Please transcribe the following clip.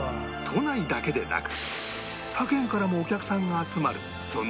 都内だけでなく他県からもお客さんが集まるそのお目当てが